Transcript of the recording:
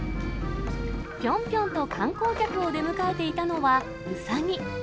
ぴょんぴょんと観光客を出迎えていたのはウサギ。